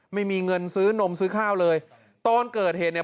ไม่มีเงินซื้อนมซื้อข้าวเลยตอนเกิดเหตุเนี่ย